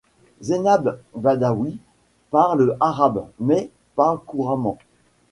Zeinab Badawi parle arabe, mais pas couramment.